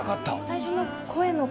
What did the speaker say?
最初の声の感じ。